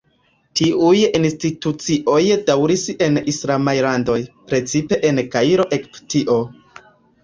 Tiuj institucioj daŭris en islamaj landoj, precipe en Kairo, Egiptio.